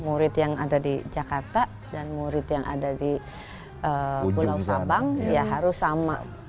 murid yang ada di jakarta dan murid yang ada di pulau sabang ya harus sama